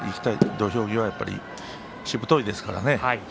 土俵際しぶといですからね。